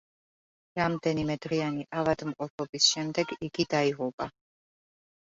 რამდენიმე დღიანი ავადმყოფობის შემდეგ, იგი დაიღუპება.